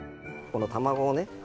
この卵をね。